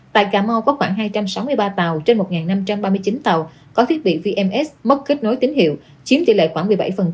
tại cà mau có khoảng hai trăm sáu mươi ba tàu trên một năm trăm ba mươi chín tàu có thiết bị vms mất kết nối tín hiệu chiếm tỷ lệ khoảng một mươi bảy